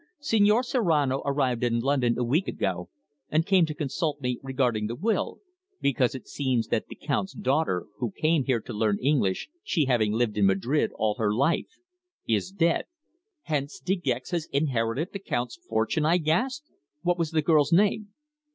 "Señor Serrano arrived in London a week ago, and came to consult me regarding the will, because it seems that the Count's daughter who came here to learn English, she having lived in Madrid all her life is dead." "Hence De Gex has inherited the Count's fortune?" I gasped. "What was the girl's name?"